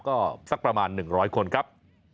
ก็สักประมาณ๑๐๐คนครับ